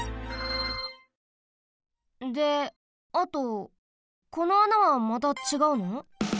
であとこの穴はまたちがうの？